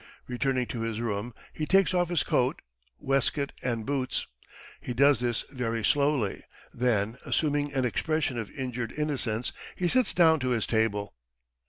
Returning to his room he takes off his coat, waistcoat, and boots. He does this very slowly; then, assuming an expression of injured innocence, he sits down to his table.